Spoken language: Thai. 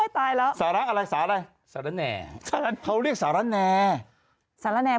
ถนน